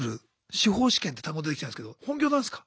司法試験って単語出てきたんですけど本業なんすか？